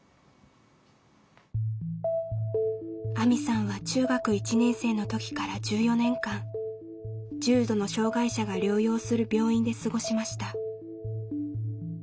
あみさんは中学１年生の時から１４年間重度の障害者が療養する病院で過ごしました。